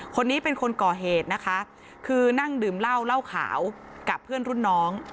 คนนี้เป็นคนก่อเหตุนะคะคือนั่งดื่มเหล้าเหล้าขาวกับเพื่อนรุ่นน้อง